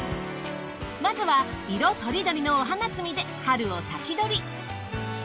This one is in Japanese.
まずは色とりどりのお花摘みで春を先取り。